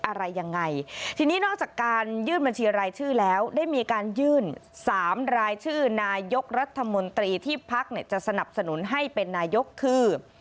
อะไรยังไงทีนี้นอกจากการยื่นบัญชีรายชื่อแล้วได้มีการยื่นสามรายชื่อนายกรัฐมนตรีที่พักเนี่ยจะสนับสนุนให้เป็นนายกคือ